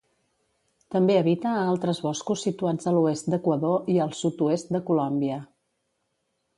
També habita a altres boscos situats a l'oest d'Equador i al sud-oest de Colòmbia.